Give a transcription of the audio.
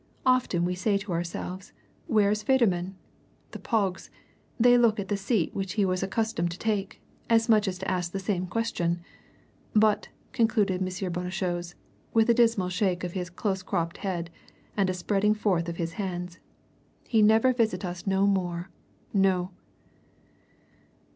Often we say to ourselves, 'Where is Federman?' The pogs, they look at the seat which he was accustomed to take, as much as to ask the same question. But," concluded M. Bonnechose, with a dismal shake of his close cropped head, and a spreading forth of his hands, "he never visit us no more no!"